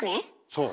そう。